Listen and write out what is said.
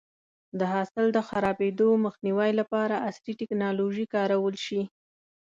د حاصل د خرابېدو مخنیوی لپاره عصري ټکنالوژي کارول شي.